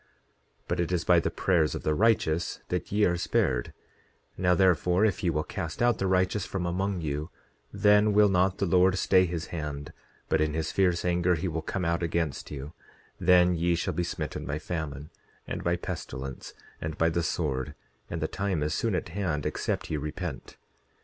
10:23 But it is by the prayers of the righteous that ye are spared; now therefore, if ye will cast out the righteous from among you then will not the Lord stay his hand; but in his fierce anger he will come out against you; then ye shall be smitten by famine, and by pestilence, and by the sword; and the time is soon at hand except ye repent.